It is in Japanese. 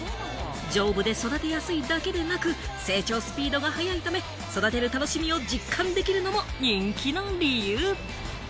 丈夫で育てやすいだけでなく、成長スピードがはやいため、育てる楽しみを実感できるのも人気の理由。